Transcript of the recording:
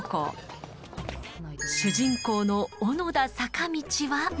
主人公の小野田坂道は。